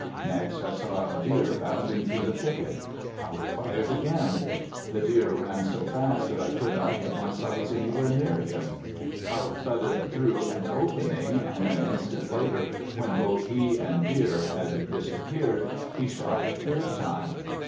Next I saw a deer bounding through the thicket. Haught fired again. The deer ran so fast that I could not get my sights anywhere near him. Haught thudded through an opening, and an instant later, when both he and the deer had disappeared, he shot the third time.